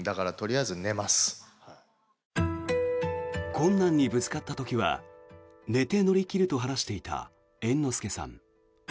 困難にぶつかった時は寝て乗り切ると話していた猿之助さん。